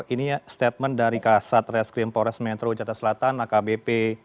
ini statement dari kasat reskrim pores metro jatah selatan akbp